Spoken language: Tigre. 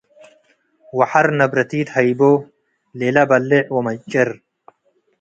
ወሐር ነብረቲት ሀይቦ - ለእለ በሌዕ ወመጭር፣